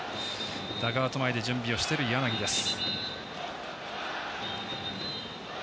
ダグアウト前で準備している柳です。